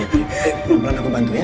pelan pelan aku bantu ya